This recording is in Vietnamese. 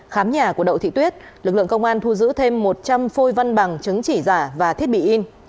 khám nhà của đậu thị tuyết lực lượng công an thu giữ thêm một trăm linh phôi văn bằng chứng chỉ giả và thiết bị in